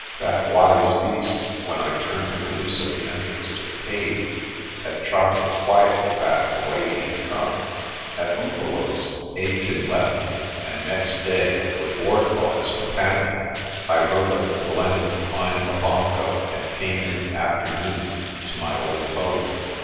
That wise beast, when I turned him loose at the entrance to the cave, had trotted quietly back the way he had come. At Umvelos' Aitken left me and next day, with Wardlaw as companion, I rode up the glen of the Klein Labongo and came in the afternoon to my old home.